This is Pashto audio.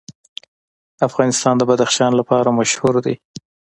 افغانستان د بدخشان لپاره مشهور دی.